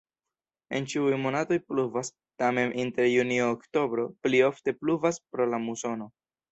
En ĉiuj monatoj pluvas, tamen inter junio-oktobro pli ofte pluvas pro la musono.